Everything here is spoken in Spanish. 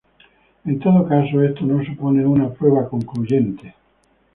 En todo caso, esto no supone una prueba concluyente.